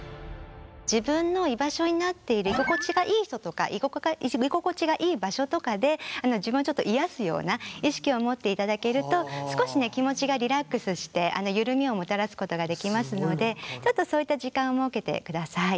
自分の居場所になっている居心地がいい人とか居心地がいい場所とかで自分をちょっと癒やすような意識を持っていただけると少しね気持ちがリラックスして緩みをもたらすことができますのでちょっとそういった時間を設けてください。